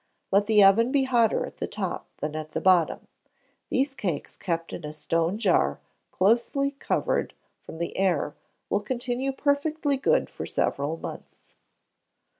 Let the oven be hotter at the top than at the bottom. These cakes kept in a stone jar, closely covered from the air, will continue perfectly good for several months.